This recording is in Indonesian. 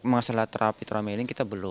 masalah terapi terlalu milih